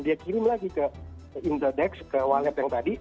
dia kirim lagi ke interdex ke wallet yang tadi